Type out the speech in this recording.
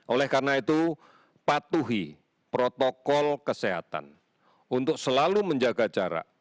oleh karena itu patuhi protokol kesehatan untuk selalu menjaga jarak